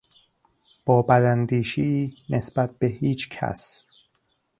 با بداندیشی نسبت به هیچ کس